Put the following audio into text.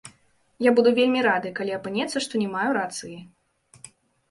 Я буду вельмі рады, калі апынецца, што не маю рацыі.